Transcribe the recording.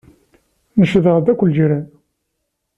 Necdeɣ-d akk lǧiran.